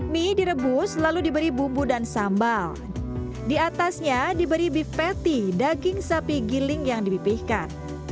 mie direbus lalu diberi bumbu dan sambal diatasnya diberi beef patty daging sapi giling yang dipipihkan